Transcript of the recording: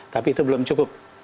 tapi itu belum cukup